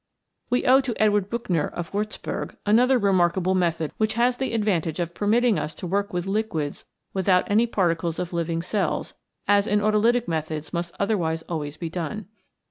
We owe to Edward Buchner, of Wiirzburg, another remarkable method which has the ad vantage of permitting us to work with liquids without any particles of living cells, as in auto lytical methods must otherwise always be done.